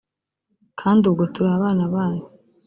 kandi ubwo turi abana bayo